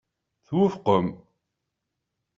Twufqem.